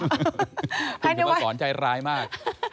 แค่นี้ว่าคุณคือว่ากรใจร้ายมาก